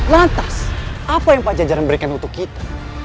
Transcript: lantas apa yang pajajara memberikan untuk kita